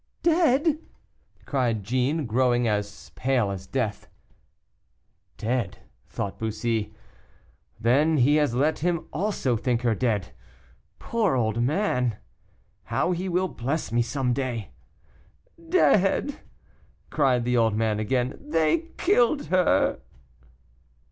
"Dead!" cried Jeanne, growing as pale as death. "Dead," thought Bussy; "then he has let him also think her dead. Poor old man! how he will bless me some day!" "Dead!" cried the old man again; "they killed her."